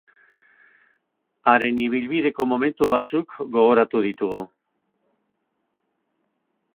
Haren ibilbideiko momentu batzuk gogoratu ditugu.